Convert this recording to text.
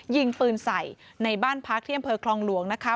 ยิงปืนใส่ในบ้านพักที่อำเภอคลองหลวงนะคะ